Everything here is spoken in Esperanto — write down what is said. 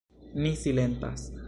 Ni silentas.